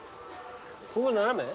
ここは斜め？